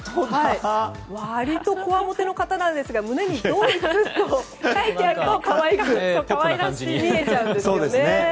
割と、こわもての方なんですが胸に「ドイツ」と書いてあると可愛らしく見えちゃうんですね。